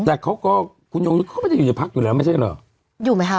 แต่เขาก็คุณยงยุทธ์เขาไม่ได้อยู่ในพักอยู่แล้วไม่ใช่เหรออยู่ไหมคะ